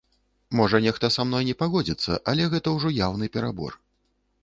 Можа, нехта са мной не пагодзіцца, але гэта ўжо яўны перабор.